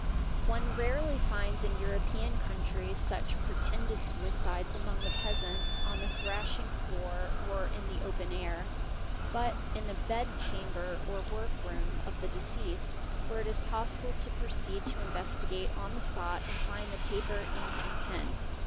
One rarely finds in European countries such pretended suicides among the peasants on the ihrashing floor or in the open air, but in the bed chamber or work room f the deceased, where it is possible to proceed to investigate on the spot nd find the paper, ink, and pen.